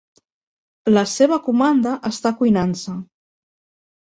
La seva comanda està cuinant-se.